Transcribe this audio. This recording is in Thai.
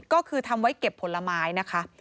ก็คือทำไว้เก็บผลไม้นะคะ